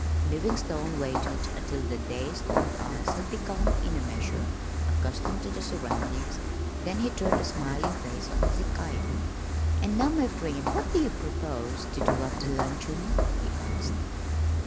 Livingstone waited until the dazed old eyes had become in a measure accustomed to the surroundings, then he turned a smiling face on Hezekiah. "And now, my friend, what do you propose to do after luncheon?" he asked.